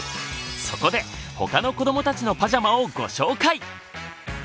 そこで他の子どもたちのパジャマをご紹介！